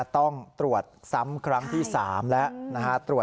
ต้องตรวจซ้ำครั้งที่๓แล้วนะฮะ